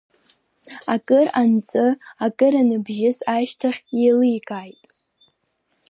Акыр анҵы, акыр аныбжьыс ашьҭахь иеиликааит.